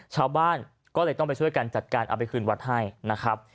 ชาวบ้านก็เลยต้องไปช่วยกันจัดการเอาไปคืนวัดให้นะครับ